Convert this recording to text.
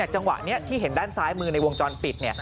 จังหวะนี้ที่เห็นด้านซ้ายมือในวงจรปิด